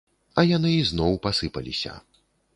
А яны ізноў пасыпаліся.